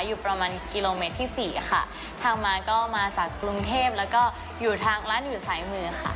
อยู่ประมาณกิโลเมตรที่สี่ค่ะทางมาก็มาจากกรุงเทพแล้วก็อยู่ทางร้านอยู่ซ้ายมือค่ะ